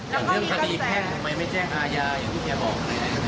แต่เรื่องคดีแพ่งทำไมไม่แจ้งอาญาอย่างที่แกบอก